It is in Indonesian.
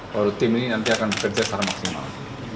baru tim ini nanti akan bekerja secara maksimal